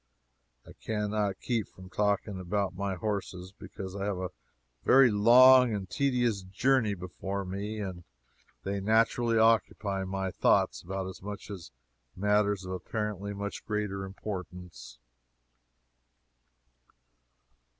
I can not keep from talking about my horses, because I have a very long and tedious journey before me, and they naturally occupy my thoughts about as much as matters of apparently much greater importance.